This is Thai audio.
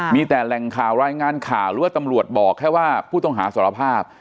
มีแต่แหล่งข่าวรายงานข่าวหรือว่าตำรวจบอกแค่ว่าผู้ต้องหาสารภาพ